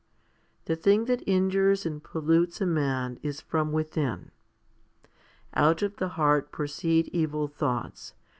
1 The thing that injures and pollutes a man is from within. Out of the heart proceed evil thoughts?